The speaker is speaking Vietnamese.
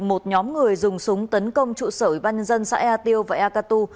một nhóm người dùng súng tấn công trụ sởi bãi nhân dân xã e tiêu và e cà tu